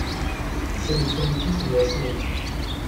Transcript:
C'est le premier titre de la série.